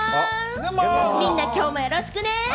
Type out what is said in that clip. みんな、今日もよろしくね。